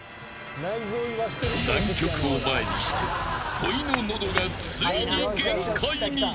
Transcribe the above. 難曲を前にしてほいの喉がついに限界に。